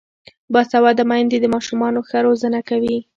باسواده میندې د ماشومانو ښه روزنه کوي.